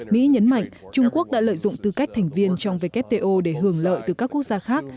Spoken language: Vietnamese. mỹ nhấn mạnh trung quốc đã lợi dụng tư cách thành viên trong wto để hưởng lợi từ các quốc gia khác